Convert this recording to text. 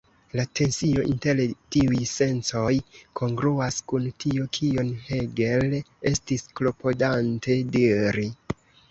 La tensio inter tiuj sencoj kongruas kun tio kion Hegel estis klopodante diri.